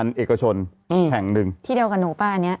ที่เดียวกับหนูป่ะอันนี้